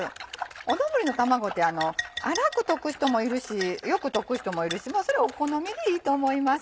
丼の卵って粗く溶く人もいるしよく溶く人もいるしそれお好みでいいと思います。